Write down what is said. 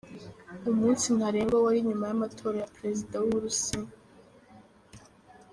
Umunsi ntarengwa wari nyuma y’amatora ya Perezida w’u Burusiya.